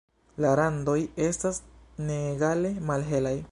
La randoj estas neegale malhelaj.